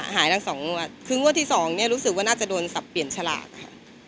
หายละ๒งวดคืองวดที่๒เนี่ยรู้สึกว่าน่าจะโดนสับเปลี่ยนฉลากค่ะ